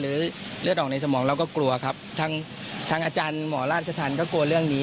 เลือดออกในสมองเราก็กลัวครับทางทางอาจารย์หมอราชธรรมก็กลัวเรื่องนี้